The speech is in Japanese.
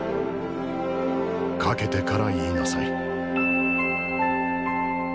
懸けてから言いなさい。